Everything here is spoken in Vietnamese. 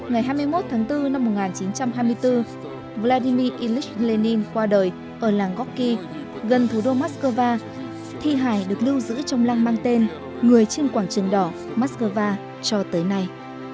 ngày hai mươi một tháng bốn năm một nghìn chín trăm hai mươi bốn vladimir ilyich lenin qua đời ở làng goky gần thủ đô moscow thi hải được lưu giữ trong lăng mang tên người trên quảng trường đỏ moscow cho tới nay